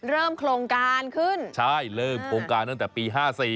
เริ่มโครงการขึ้นใช่เริ่มโครงการตั้งแต่ปี๕๔